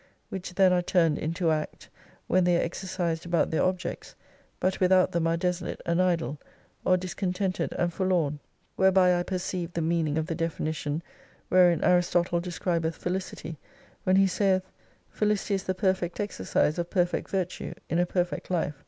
Which then are turned into Act, when they are exercised about their objects; but without them are desolate and idle; or discontented and forlorn. Whereby I perceived the meaning of the definition wherein Aristotle describeth Felicity, when he saith, Felicity is the perfect exercise of perfect virtue in a perfect Life.